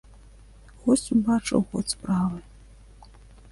Госць убачыў ход справы.